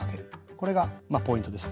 これがまあポイントです。